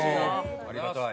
ありがたい。